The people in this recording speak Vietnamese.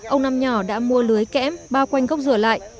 ông năm nhỏ đã mua lưới kẽm bao quanh gốc dừa lại